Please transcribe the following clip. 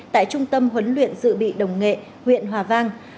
tại trung tâm huấn luyện dự bị đồng nghệ huyện hòa vang